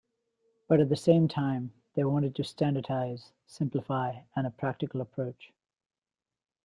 But at the same time, they wanted to standardize, simplify and a practical approach.